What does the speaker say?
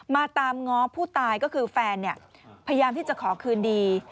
ตามง้อผู้ตายก็คือแฟนพยายามที่จะขอคืนดี